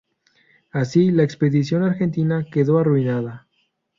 Así, la expedición argentina quedó arruinada.